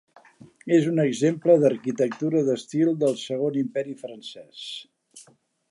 És un exemple d'arquitectura d'estil del Segon Imperi Francès.